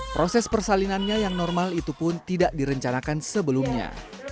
proses persalinannya yang normal itu pun tidak direncanakan sebelumnya